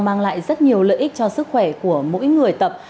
mang lại rất nhiều lợi ích cho sức khỏe của mỗi người tập